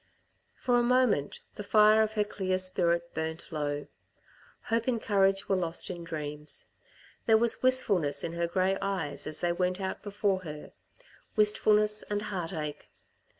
For a moment the fire of her clear spirit burnt low. Hope and courage were lost in dreams. There was wistfulness in her grey eyes as they went out before her, wistfulness and heartache.